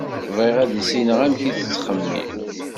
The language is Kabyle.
Bɣiɣ ad issineɣ amek i tettxemmim.